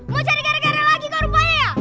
mau cari gara gara lagi kau rupanya ya